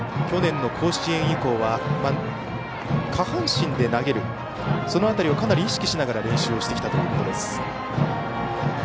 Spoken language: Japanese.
去年の甲子園以降は下半身で投げるその辺りをかなり意識しながら練習してきたということです。